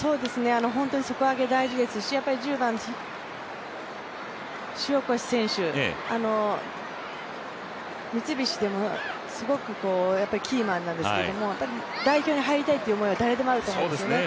本当に底上げは大事ですし、１０番の塩越選手、三菱でもすごくキーマンなんですけれども、代表に入りたいっていう思いは誰でもあると思うんですよね。